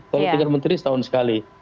kalau tinggal menteri setahun sekali